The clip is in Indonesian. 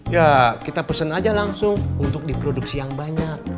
ya kita pesen aja langsung untuk diproduksi yang banyak